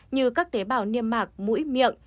như các tế bào niêm mạc mũi miệng